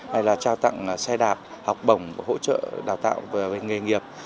hay là trao tặng xe đạp học bổng hỗ trợ đào tạo về nghề nghiệp